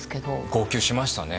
号泣しましたね。